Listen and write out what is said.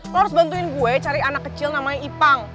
lo harus bantuin gue cari anak kecil namanya ipang